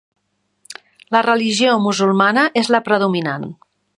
La religió musulmana és la predominant.